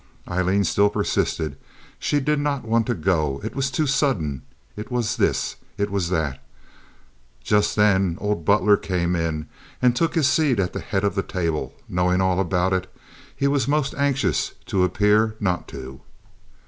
Aileen still persisted. She did not want to go. It was too sudden. It was this. It was that. Just then old Butler came in and took his seat at the head of the table. Knowing all about it, he was most anxious to appear not to.